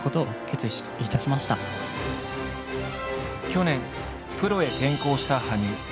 去年プロへ転向した羽生。